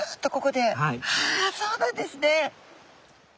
あそうなんですね。